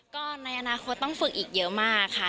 ก็ในอนาคตต้องฝึกอีกเยอะมากค่ะ